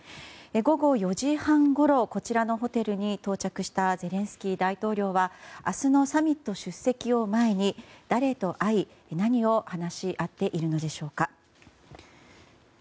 午後４時半ごろこちらのホテルに到着したゼレンスキー大統領は明日のサミット出席を前に誰と会い、何を話し合っているのでしょうか。